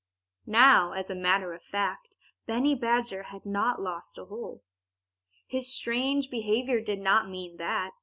Now, as a matter of fact, Benny Badger had not lost a hole. His strange behavior did not mean that.